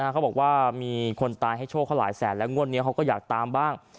เขาบอกว่ามีคนตายให้โชคเขาหลายแสนแล้วงวดนี้เขาก็อยากตามบ้าง